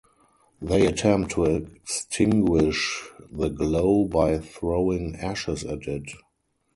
They attempt to extinguish the glow by throwing ashes at it.